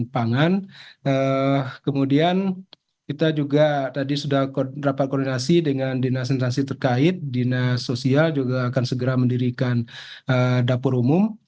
pangan kemudian kita juga tadi sudah rapat koordinasi dengan dinas instansi terkait dinas sosial juga akan segera mendirikan dapur umum